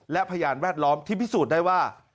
และพยานแวดล้อมที่พิสูจน์ได้ว่า